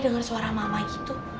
dengar suara mama gitu